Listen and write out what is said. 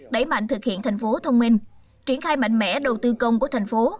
đẩy mạnh thực hiện thành phố thông minh triển khai mạnh mẽ đầu tư công của thành phố